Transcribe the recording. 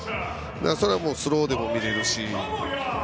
それはスローでも見れるし。